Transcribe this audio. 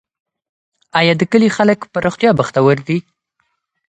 آیا د کلي خلک په رښتیا بختور دي؟